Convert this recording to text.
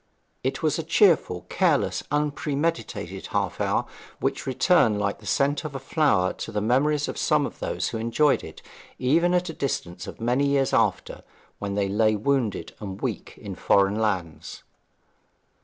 It was a cheerful, careless, unpremeditated half hour, which returned like the scent of a flower to the memories of some of those who enjoyed it, even at a distance of many years after, when they lay wounded and weak in foreign lands.